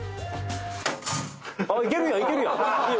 あっいけるやんいけるやんえっ